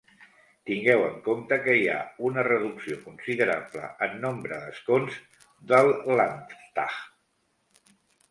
Tingueu en compte que hi ha una reducció considerable en nombre d'escons del Landtag.